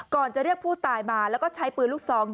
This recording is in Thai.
จะเรียกผู้ตายมาแล้วก็ใช้ปืนลูกซอง